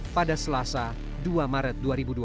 pada selasa dua maret dua ribu dua puluh